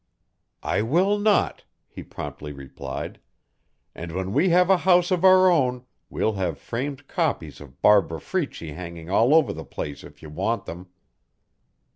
"I will not," he promptly replied. "And when we have a house of our own we'll have framed copies of Barbara Freitchie hanging all over the place if you want them."